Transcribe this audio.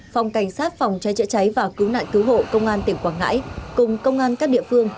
phòng cảnh sát phòng cháy chữa cháy và cứu nạn cứu hộ công an tỉnh quảng ngãi cùng công an các địa phương